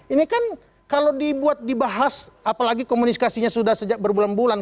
ini kan kalau dibuat dibahas apalagi komunikasinya sudah sejak berbulan bulan